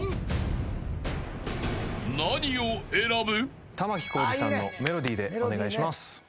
［何を選ぶ？］